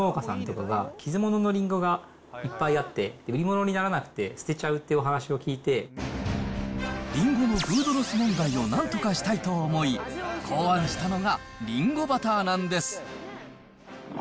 きっかけは、知り合いのりんご農家さんとかが、傷物のりんごがいっぱいあって、売り物にならなくて捨てちゃうっりんごのフードロス問題をなんとかしたいと思い、考案したのがりんごバターなんです。